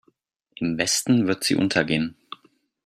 Im Westen wird sie untergehen.